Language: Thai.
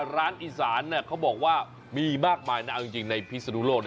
ร้านอิสานเขาบอกว่ามีมากมายในพิษนุโลก